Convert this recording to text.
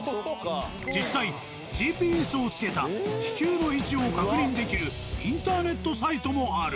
実際ＧＰＳを付けた気球の位置を確認できるインターネットサイトもある。